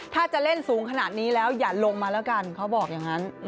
ถ้าจะเล่นสูงขนาดนี้แล้วอย่าลงมาแล้วกันเขาบอกอย่างนั้น